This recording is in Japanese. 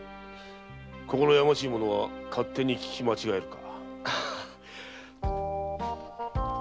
「心疚しい者は勝手に聞き間違える」か。